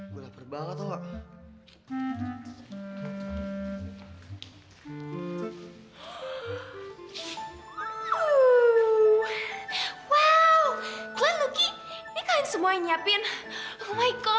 gua lapar banget tau gak